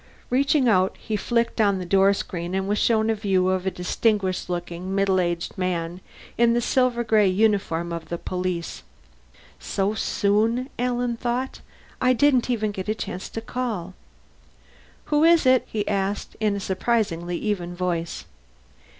Reaching out, he flicked on the doorscreen and was shown a view of a distinguished looking middle aged man in the silver gray uniform of the police. So soon? Alan thought. _I didn't even get a chance to call _ "Who is it?" he asked, in a surprisingly even voice.